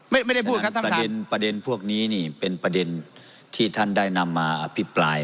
ไม่ได้พูดครับประเด็นประเด็นพวกนี้นี่เป็นประเด็นที่ท่านได้นำมาอภิปราย